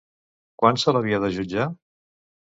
Quan se l'havia de jutjar?